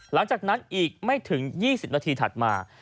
หลังจากนั้นอีกไม่ถึง๒๐นาทีถัดมา